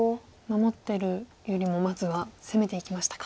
守ってるよりもまずは攻めていきましたか。